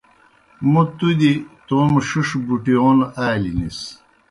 موں تُوْ دیْ توموْ ݜِݜ بُٹِیون آلیْنِس۔